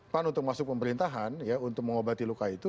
pan untuk masuk pemerintahan ya untuk mengobati luka itu